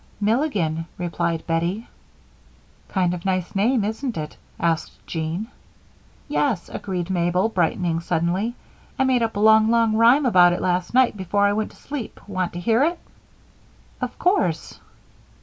"Milligan," replied Bettie. "Kind of nice name, isn't it?" asked Jean. "Yes," agreed Mabel, brightening suddenly. "I made up a long, long rhyme about it last night before I went to sleep. Want to hear it?" "Of course."